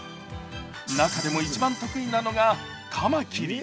中でも一番得意なのが、カマキリ。